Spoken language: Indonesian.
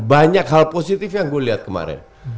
banyak hal positif yang gue lihat kemarin